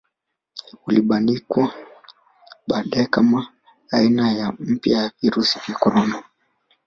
Ulibanika baadaye kama aina mpya ya virusi vya korona